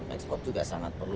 ekspor juga sangat perlu